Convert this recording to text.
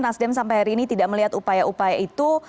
nasdem sampai hari ini tidak melihat upaya upaya itu